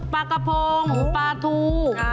ปลากระพงปลาทู